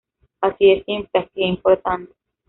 Así de simple, así de importante.